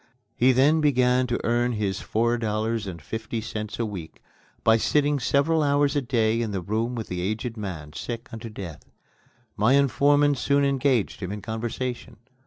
He then began to earn his four dollars and fifty cents a week by sitting several hours a day in the room with the aged man, sick unto death. My informant soon engaged him in conversation.